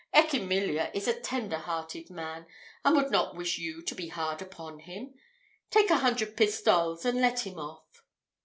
Echimillia is a tender hearted man, and would not wish you to be hard upon him. Take a hundred pistoles and let him off."